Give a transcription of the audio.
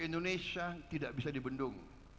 indonesia tidak bisa dibendung